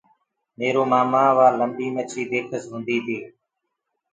ميرو مآمآ وآه مي لمبي مڇي ديکس هوندي تي۔